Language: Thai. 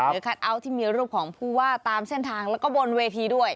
คัทเอาท์ที่มีรูปของผู้ว่าตามเส้นทางแล้วก็บนเวทีด้วย